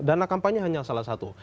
dana kampanye hanya salah satu